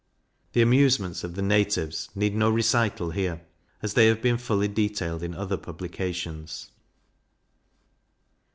The amusements of the natives need no recital here, as they have been fully detailed in other publications.